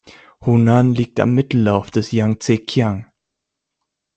Hunan liegt am Mittellauf des Jangtsekiang.